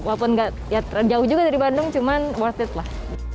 walaupun jauh juga dari bandung cuma worth it lah